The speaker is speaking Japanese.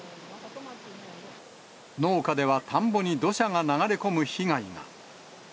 農家では田んぼに土砂が流れ込む被害が。